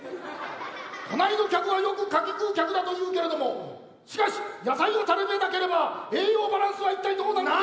隣の客はよく柿食う客だというけれどもしかし野菜を食べなければ栄養バランスは一体どうなる。